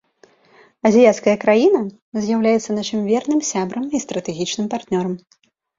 Азіяцкая краіна з'яўляецца нашым верным сябрам і стратэгічным партнёрам.